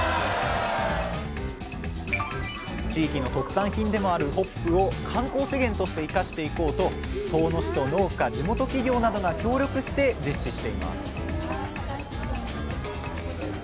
地域の特産品でもあるホップを観光資源として生かしていこうと遠野市と農家地元企業などが協力して実施しています